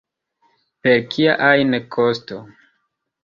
Per kia ajn kosto.